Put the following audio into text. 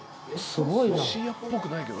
すごいな。